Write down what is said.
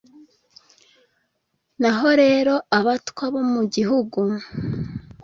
naho rero abatwa bo mu gihugu,